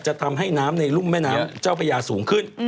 จะทำให้น้ำในรุ่มแม่น้ำเจ้าพระยาสูงขึ้น